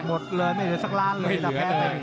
หมดเลยไม่เหลือสักล้านเลยนะแพ้ไป